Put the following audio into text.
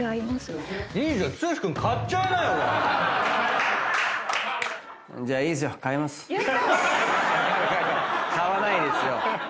買わないですよ。